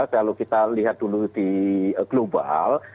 kalau kita lihat dulu di global